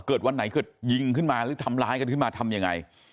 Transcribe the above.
วันไหนเกิดยิงขึ้นมาหรือทำร้ายกันขึ้นมาทำยังไง